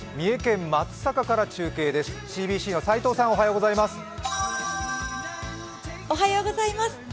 重県松阪から中継です。